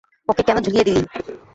ওকে কেন ঝুলিয়ে দিলি?